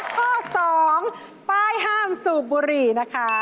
ข้อ๒ป้ายห้ามสูบบุหรี่นะคะ